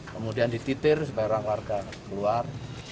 kemudian dititir supaya orang warga keluar